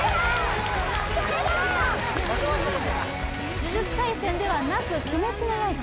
「呪術廻戦」ではなく「鬼滅の刃」